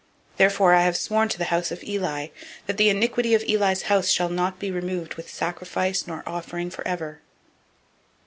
003:014 Therefore I have sworn to the house of Eli, that the iniquity of Eli's house shall not be expiated with sacrifice nor offering forever.